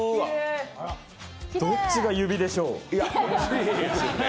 どっちが指でしょう？